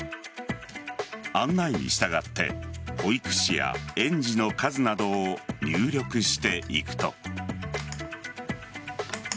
案内に従って保育士や園児の数などを入力していくと。